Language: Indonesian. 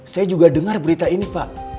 saya juga dengar berita ini pak